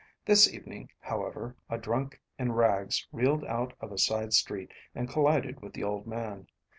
This evening, however, a drunk in rags reeled out of a side street and collided with the old man.